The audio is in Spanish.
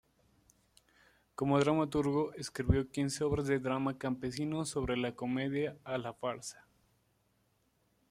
Como dramaturgo, escribió quince obras de drama campesino sobre la comedia a la farsa.